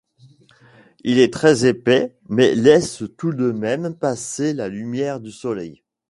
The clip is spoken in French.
Il est très épais mais laisse tout de même passer la lumière du soleil.